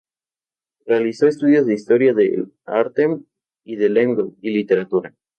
Realizó estudios de Historia del Arte y de Lengua y Literatura.